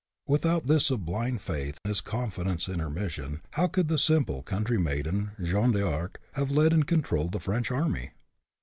Without this sublime faith, this confidence in her mission, how could the simple country maiden, Jeanne d'Arc, have led and controlled the French army?